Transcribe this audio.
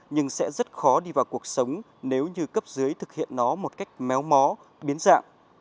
nhưng sẽ rất khó đi vào cuộc sống nếu như cấp dưới thực hiện nó một cách méo mó biến dạng